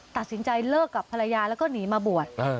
ตัดสินใจเลิกกับภรรยาแล้วก็หนีมาบวช